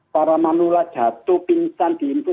para manula jatuh pingsan diimput